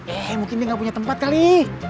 eh mungkin dia nggak punya tempat kali